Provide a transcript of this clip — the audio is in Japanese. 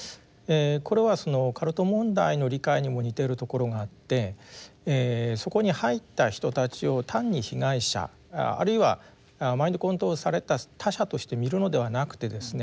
これはカルト問題の理解にも似ているところがあってそこに入った人たちを単に被害者あるいはマインドコントロールされた他者として見るのではなくてですね